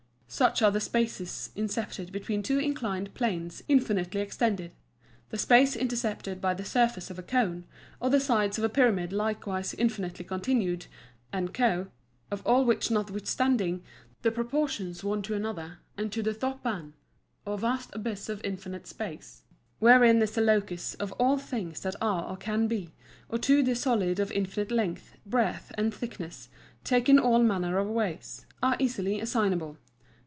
Such are the Spaces intercepted between two inclined Planes infinitely extended; the Space intercepted by the Surface of a Cone, or the sides of a Pyramid likewise infinitely continued, &c. of all which notwithstanding, the Proportions one to another, and to the τὸ πᾶν, or vast Abyss of infinite Space (wherein is the Locus of all things that are or can be; or to the Solid of infinite Length, Breadth, and Thickness, taken all manner of ways) are easily assignable.